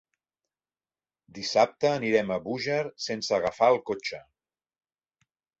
Dissabte anirem a Búger sense agafar el cotxe.